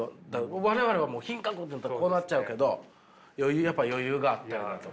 我々はもう品格っていったらこうなっちゃうけど余裕やっぱ余裕があったらとか。